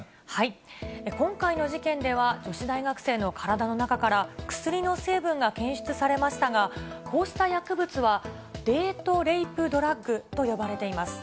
今回の事件では、女子大学生の体の中から薬の成分が検出されましたが、こうした薬物は、デート・レイプ・ドラッグと呼ばれています。